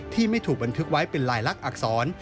ที่ไม่ถูกบันทึกไว้เป็นลายลักษร